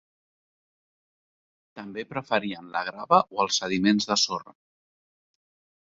També preferien la grava o els sediments de sorra.